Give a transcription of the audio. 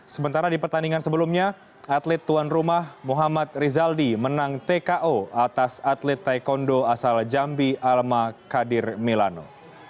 sementara di pertandingan sebelumnya atlet tuan rumah muhammad rizaldi menang tko atas atlet taekwondo asal jambi alma kadir milano